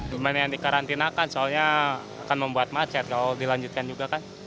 lumayan yang dikarantinakan soalnya akan membuat macet kalau dilanjutkan juga kan